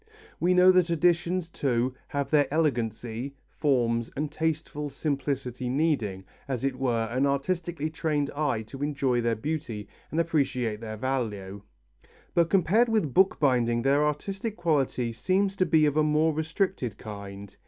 We know that editions, too, have their elegancy, forms and tasteful simplicity needing, as it were, an artistically trained eye to enjoy their beauty and appreciate their value, but compared with bookbinding their artistic quality seems to be of a more restricted kind.